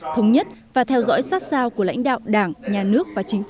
thống nhất và theo dõi sát sao của lãnh đạo